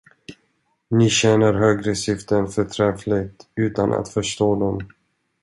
Ni tjänar högre syften förträffligt utan att förstå dem.